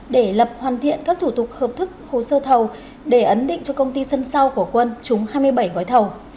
để lập hoàn thiện các thủ tục hợp thức hồ sơ thầu để ấn định cho công ty sân sau của quân trúng hai mươi bảy gói thầu